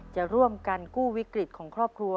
จะร่วมกันกู้วิกฤตของครอบครัว